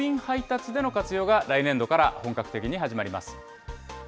郵便配達での活用が来年度から本格的に始まります。